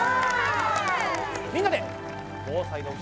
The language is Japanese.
みんなでお！